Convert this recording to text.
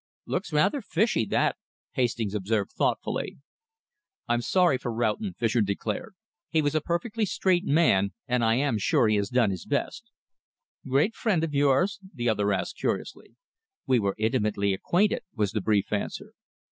"Looks rather fishy, that," Hastings observed thoughtfully. "I'm sorry for Roughton," Fischer declared. "He was a perfectly straight man, and I am sure he has done his best." "Great friend of yours?" the other asked curiously. "We were intimately acquainted," was the brief answer.